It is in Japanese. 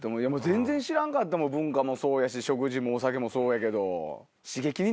全然知らんかったもん文化も食事もお酒もそうやけど。